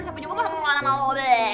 siapa juga pas satu sekolahan sama lo be